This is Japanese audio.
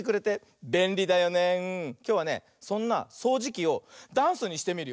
きょうはねそんなそうじきをダンスにしてみるよ。